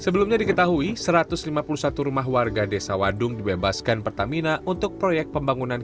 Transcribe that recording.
sebelumnya diketahui satu ratus lima puluh satu rumah warga desa wadung dibebaskan pertamina untuk proyek pembangunan